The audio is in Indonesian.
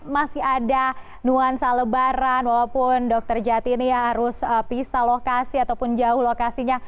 masih ada nuansa lebaran walaupun dokter jati ini harus pisah lokasi ataupun jauh lokasinya